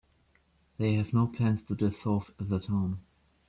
They have no plans to dissolve the town.